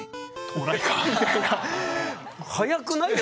早くない？